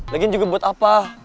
lagian juga buat apa